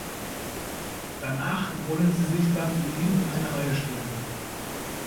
Danach wollen sie sich dann für ihn in eine Reihe stellen.